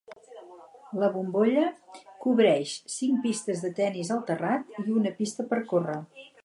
"La bombolla" cobreix cinc pistes de tennis al terrat i una pista per córrer.